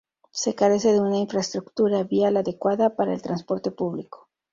Se carece de una infraestructura vial adecuada para el transporte público.